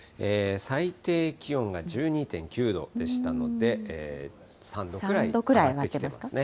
最低気温が１２．９度でしたので、３度くらい上がってきていますね。